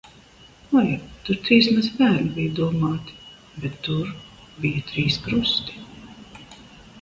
Oi, tur trīs mazi bērni bija domāti, bet tur bija trīs krusti.